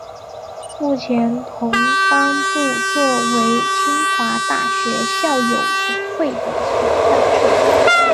目前同方部作为清华大学校友总会的所在处。